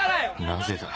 なぜだ？